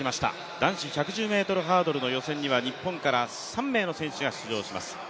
男子１１０ｍハードルの予選には日本から３名の選手が出場します。